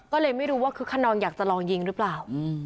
ก็เลยไม่รู้ว่าคึกขนองอยากจะลองยิงหรือเปล่า